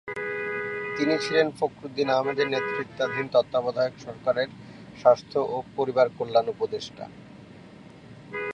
তিনি ছিলেন ফখরুদ্দীন আহমেদের নেতৃত্বাধীন তত্ত্বাবধায়ক সরকারের স্বাস্থ্য ও পরিবার কল্যাণ উপদেষ্টা।